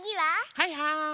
はいはい。